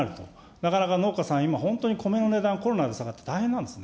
なかなか農家さん、今本当にコメの値段、コロナで下がって大変なんですね。